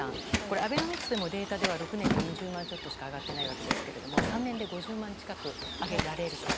アベノミクスでもデータでは６年で２０万円近くしか上がっていないんですが３年で５０万近く上げられると。